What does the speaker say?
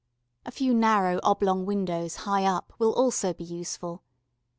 A few narrow, oblong windows, high up, will also be useful.